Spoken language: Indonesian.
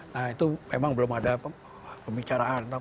nah itu memang belum ada pembicaraan